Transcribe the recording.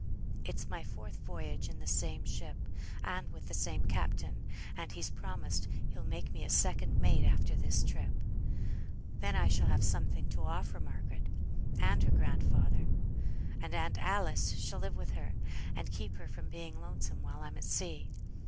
It's my fourth voyage in the same ship, and with the same captain, and he's promised he'll make me second mate after this trip; then I shall have something to offer Margaret; and her grandfather, and aunt Alice, shall live with her, to keep her from being lonesome while I'm at sea.